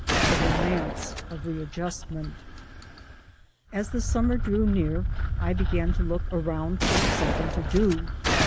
THE ROMANCE OF READJUSTMENT AS the summer drew near I began to look around for ±\, something to do.